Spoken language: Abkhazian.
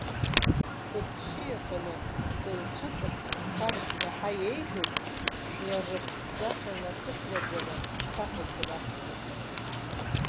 Сыччиаханы сылцәыҵаԥс сцар иаҳа еиӷьуп, жәлар рыԥхӡаша насыхәлаҵәаны сахәаҽыр аҵкыс!